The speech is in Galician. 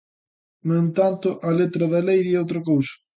No entanto, a letra da lei di outra cousa.